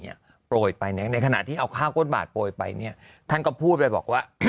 โปรยไปในขณะที่เอาข้าวก้นบาทโปรยไปเนี่ยท่านก็พูดไปบอกว่า